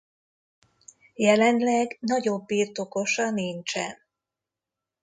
Jelenleg nagyobb birtokosa nincsen.